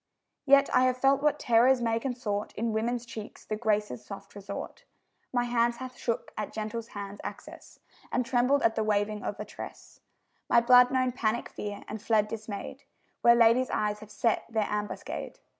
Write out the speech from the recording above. Yet I have felt what terrors may consort In women's cheeks, the Graces' soft resort; My hand hath shook at gentle hands' access, And trembled at the waving of a tress; My blood known panic fear, and fled dismayed, Where ladies' eyes have set their ambuscade.